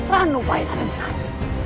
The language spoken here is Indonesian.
ranu pahit ada di sana